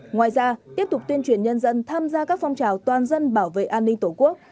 ngoài ra tiếp tục tuyên truyền nhân dân tham gia các phong trào toàn dân bảo vệ an ninh tổ quốc